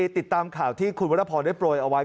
ติดตามข่าวที่คุณวรพรได้โปรยเอาไว้